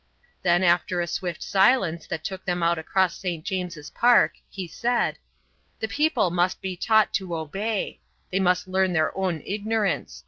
Then after a swift silence that took them out across St. James's Park, he said: "The people must be taught to obey; they must learn their own ignorance.